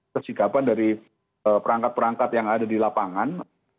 kesikapan dari perangkat perangkat yang ada di lapangan